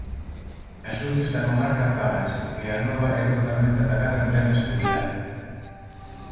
As luces da comarca apáganse e a nova é brutalmente atacada en plena escuridade.